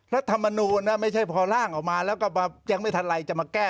รัฐมนูลนะไม่ใช่พอร่างออกมาแล้วก็ยังไม่ทันไรจะมาแก้